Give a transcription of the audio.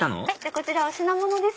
こちらお品物です。